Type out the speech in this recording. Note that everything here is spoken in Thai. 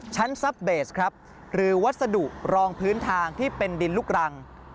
ซับเบสครับหรือวัสดุรองพื้นทางที่เป็นดินลูกรัง